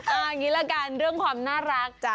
เอาอย่างนี้ละกันเรื่องความน่ารัก